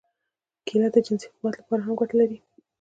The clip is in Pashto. کېله د جنسي قوت لپاره هم ګټه لري.